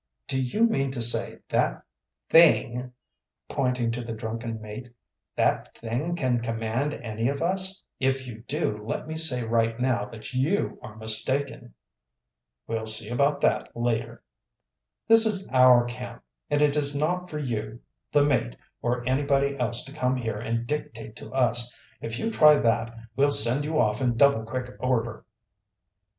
"Do you mean to say that thing " pointing to the drunken mate " that thing can command any of us? If you do, let me say right now that you are mistaken." "We'll see about that later." "This is our camp, and it is not for you, the mate, or anybody else to come here and dictate to us. If you try that, we'll send you off in double quick order."